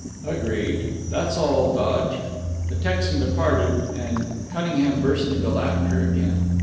"Agreed. That's all, Dodge." The Texan departed, and Cunningham burst into laughter again.